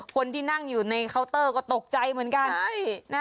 คนที่นั่งอยู่ในเคาน์เตอร์ก็ตกใจเหมือนกัน